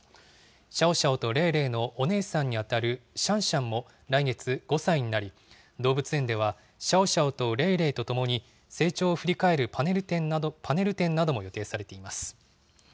シャオシャオとレイレイのお姉さんに当たるシャンシャンも来月５歳になり、動物園ではシャオシャオとレイレイとともに、成長を振り返るパネ